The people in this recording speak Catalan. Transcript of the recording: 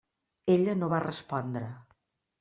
Ella no va respondre.